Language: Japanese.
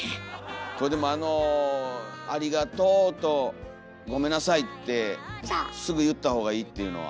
これでも「ありがとう」と「ごめんなさい」ってすぐ言った方がいいっていうのは。